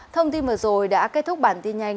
thông tin vừa rồi đã kết thúc bản tin nhanh